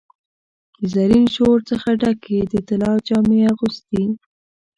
د زرین شور څخه ډکي، د طلا جامې اغوستي